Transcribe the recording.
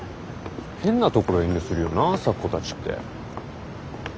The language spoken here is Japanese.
変なところ遠慮するよな咲子たちって。